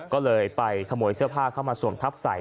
ก็เลยไปขโมยเสื้อผ้าเข้ามาสวมทับใส่